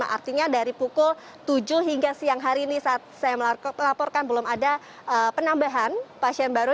artinya dari pukul tujuh hingga siang hari ini saat saya melaporkan belum ada penambahan pasien baru